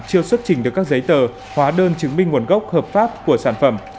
chưa xuất trình được các giấy tờ hóa đơn chứng minh nguồn gốc hợp pháp của sản phẩm